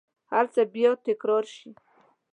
هرڅه به بیا تکرارشي